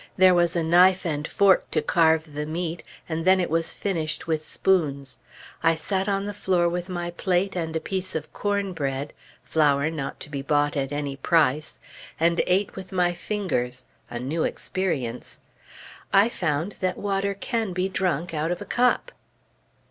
There was a knife and fork to carve the meat, and then it was finished with spoons. I sat on the floor with my plate, and a piece of cornbread (flour not to be bought at any price) and ate with my fingers a new experience. I found that water can be drunk out of a cup!